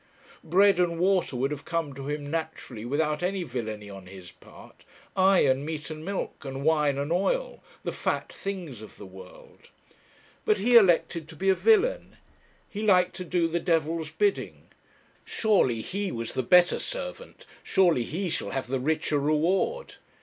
Bread and water would have come to him naturally without any villany on his part, aye, and meat and milk, and wine and oil, the fat things of the world; but he elected to be a villain; he liked to do the Devil's bidding. Surely he was the better servant; surely he shall have the richer reward.